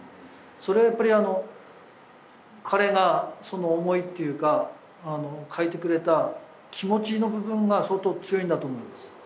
それはやっぱりあの彼がその思いっていうかあの描いてくれた気持ちの部分が相当強いんだと思います